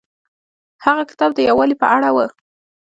هغه کتاب د یووالي په اړه و.